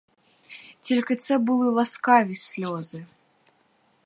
Тільки це були ласкаві сльози.